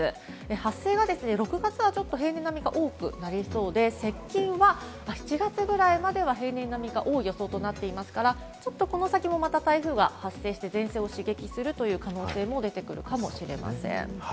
発生が６月はちょっと平年並みか多くなりそうで、接近は７月ぐらいまでは平年並みか、多い予想となっていますから、ちょっとこの先もまた台風が発生して、前線を刺激するという可能性も出てくるかもしれません。